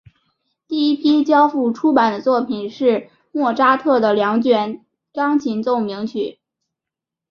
第一批交付出版的作品是莫扎特的两卷钢琴奏鸣曲。